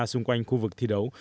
xung quanh khu vực thi đấu